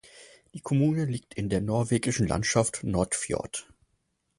Die Kommune liegt in der norwegischen Landschaft Nordfjord.